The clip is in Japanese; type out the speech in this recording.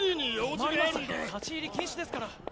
困ります立ち入り禁止ですから。